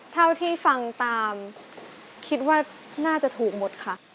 เท่าที่ฟังตามคิดว่าน่าจะถูกหมดค่ะ